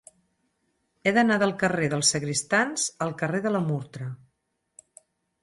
He d'anar del carrer dels Sagristans al carrer de la Murtra.